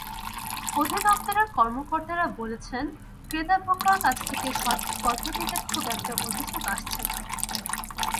অধিদপ্তরের কর্মকর্তারা বলছেন, ক্রেতা-ভোক্তার কাছ থেকে সঠিক পদ্ধতিতে খুব একটা অভিযোগ আসছে না।